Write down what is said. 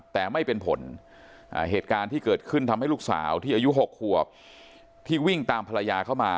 แต่ไม่เป็นผลเหตุการณ์ที่เกิดขึ้นทำให้ลูกสาวที่อายุ๖ขวบที่วิ่งตามภรรยาเข้ามา